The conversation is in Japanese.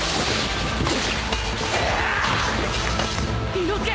伊之助！